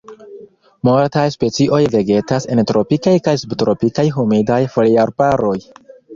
Multaj specioj vegetas en tropikaj kaj subtropikaj humidaj foliarbaroj.